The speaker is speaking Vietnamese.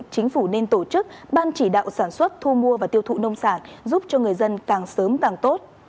chính phủ nên tổ chức ban chỉ đạo sản xuất thu mua và tiêu thụ nông sản giúp cho người dân càng sớm càng tốt